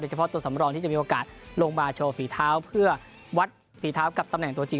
เฉพาะตัวสำรองที่จะมีโอกาสลงมาโชว์ฝีเท้าเพื่อวัดฝีเท้ากับตำแหน่งตัวจริง